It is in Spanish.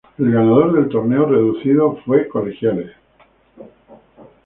El ganador del torneo reducido fue Colegiales.